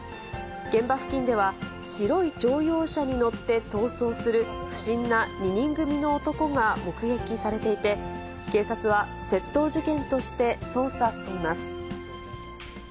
現場付近では、白い乗用車に乗って逃走する不審な２人組の男が目撃されていて、警察は、窃盗事件として捜査しています。